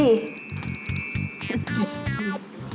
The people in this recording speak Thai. เฮ้ย